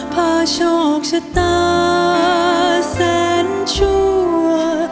พาชอกชะตาแสนชัวร์